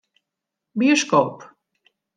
Bioskoop.